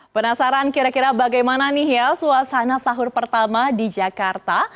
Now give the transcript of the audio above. penasaran kira kira bagaimana nih ya suasana sahur pertama di jakarta